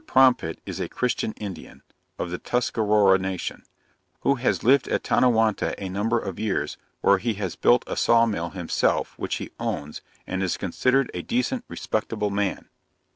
Prompit is a Christian Indian, of the Tuscarora nation, who has lived at Tonnewonta a number of years, where he has built a saw mill himself, which he owns, and is considered a decent, respectable man.